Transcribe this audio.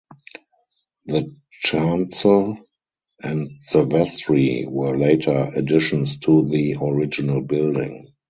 The chancel and the vestry were later additions to the original building.